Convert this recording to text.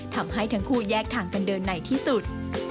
ทำให้ทั้งคู่แยกทางกันเดินไหนที่สุด